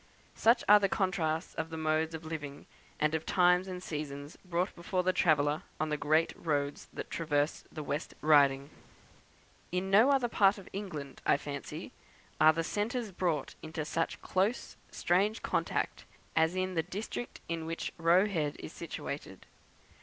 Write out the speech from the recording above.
Such are the contrasts of modes of living, and of times and seasons, brought before the traveller on the great roads that traverse the West Riding. In no other part of England, I fancy, are the centuries brought into such close, strange contact as in the district in which Roe Head is situated.